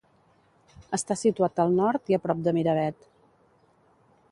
Està situat al nord i a prop de Miravet.